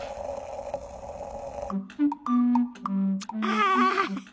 ああ。